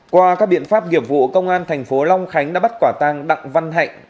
qua các biện pháp nghiệp vụ công an thành phố long khánh đã bắt quả tăng đặng văn hạnh